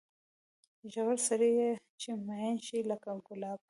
زوړ سړی چې مېن شي لکه ګلاب.